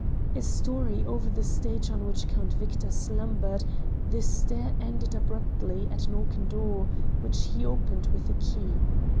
A storey over the stage on which Count Victor slumbered the stair ended abruptly at an oaken door, which he opened with a key.